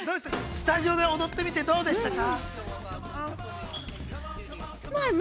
スタジオで踊ってみてどうでしたか。